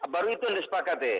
baru itu yang disepakati